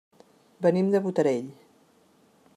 Venim de Botarell.